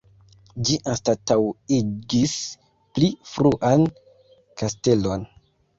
Ĝi anstataŭigis pli fruan kastelon.